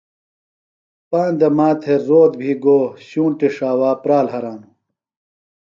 پاندہ ماتھےۡ روت بھی گو، شُونٹی ݜاوا پرال ہرانوۡ